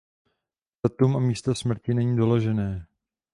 Datum a místo smrti není doložené.